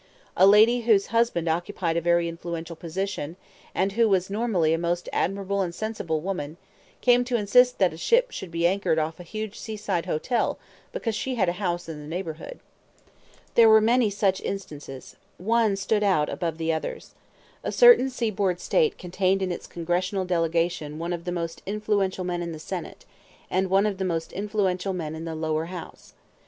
A lady whose husband occupied a very influential position, and who was normally a most admirable and sensible woman, came to insist that a ship should be anchored off a huge seaside hotel because she had a house in the neighborhood. There were many such instances. One stood out above the others. A certain seaboard State contained in its Congressional delegation one of the most influential men in the Senate, and one of the most influential men in the lower house.